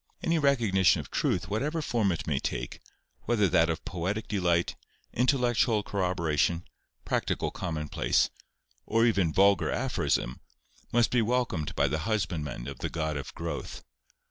Any recognition of truth, whatever form it may take, whether that of poetic delight, intellectual corroboration, practical commonplace; or even vulgar aphorism, must be welcomed by the husbandmen of the God of growth.